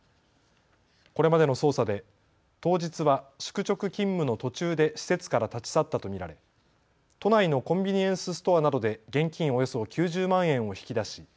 これまでの捜査で当日は宿直勤務の途中で施設から立ち去ったと見られ、都内のコンビニエンスストアなどで現金およそ９０万円を引き出し